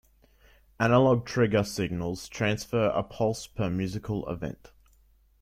"Analog trigger" signals transfer a pulse per musical event.